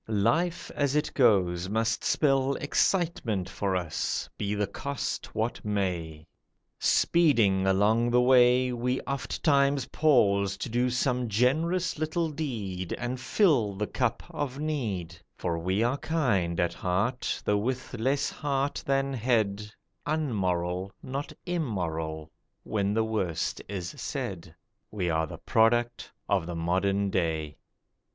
Life as it goes Must spell excitement for us, be the cost what may. Speeding along the way, We ofttimes pause to do some generous little deed, And fill the cup of need; For we are kind at heart, Though with less heart than head, Unmoral, not immoral, when the worst is said; We are the product of the modern day.